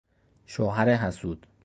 شوهر حسود